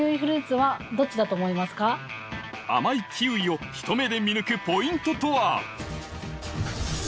甘いキウイをひと目で見抜くポイントとは？